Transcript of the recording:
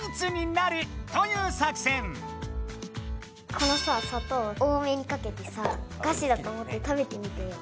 このさ砂糖を多めにかけてさおかしだと思って食べてみてよ。